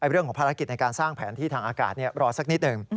เรื่องของภารกิจในการสร้างแผนที่ทางอากาศรอสักนิดหนึ่ง